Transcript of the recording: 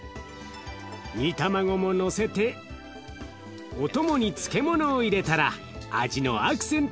煮卵ものせてお供に漬物を入れたら味のアクセントになります。